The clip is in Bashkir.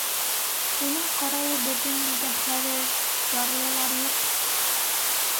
Уның ҡарауы беҙҙең илдә хәҙер ярлылар юҡ.